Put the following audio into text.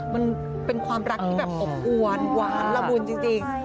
มันเป็นความรักที่แบบอบอวนหวานละมุนจริง